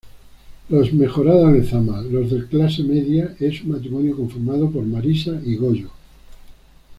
Los Mejorada Lezama:Los de clase media; Es un matrimonio conformado por Marisa y Goyo.